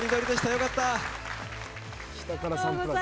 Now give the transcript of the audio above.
良かった。